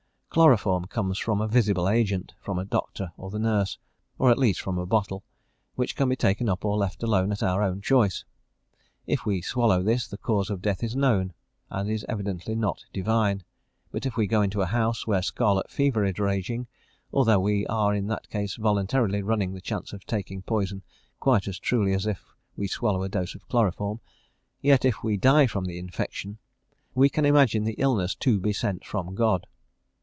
Chloroform comes from a visible agent, from the doctor or nurse, or at least from a bottle, which can be taken up or left alone at our own choice. If we swallow this, the cause of death is known, and is evidently not divine; but if we go into a house where scarlet fever is raging, although we are in that case voluntarily running the chance of taking poison quite as truly as if we swallow a dose of chloroform, yet if we die from the infection, we can imagine the illness to be sent from God.